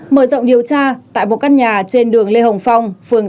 mở rộng điều tra tại một căn nhà trên đường lê hồng phong phường